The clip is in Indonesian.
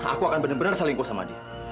aku akan bener bener selingkuh sama dia